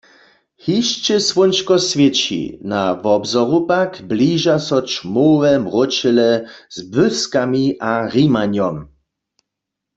Hišće słónčko swěći, na wobzoru pak bliža so ćmowe mróčele z błyskami a hrimanjom.